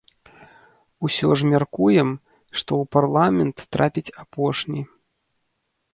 Усё ж мяркуем, што ў парламент трапіць апошні.